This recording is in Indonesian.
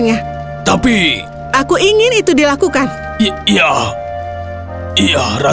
karena aquesthrono membutuhkan sedikit makanan